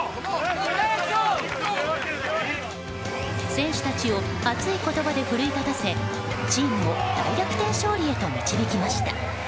選手たちを熱い言葉で奮い立たせチームを大逆転勝利へと導きました。